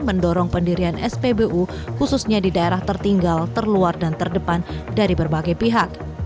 mendorong pendirian spbu khususnya di daerah tertinggal terluar dan terdepan dari berbagai pihak